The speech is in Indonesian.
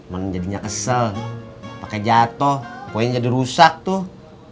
menjadinya kesel pakai jatuh kuenya dirusak tuh